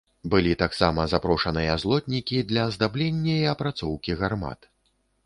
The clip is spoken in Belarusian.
Былі таксама запрошаныя злотнікі для аздаблення і апрацоўкі гармат.